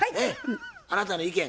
あなたの意見